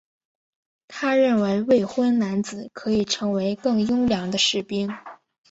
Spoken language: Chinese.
他认为未婚男子可以成为更优良的士兵。